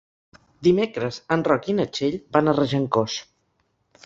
Dimecres en Roc i na Txell van a Regencós.